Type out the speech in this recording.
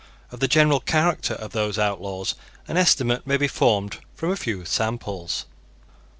Of the general character of those outlaws an estimate may be formed from a few samples.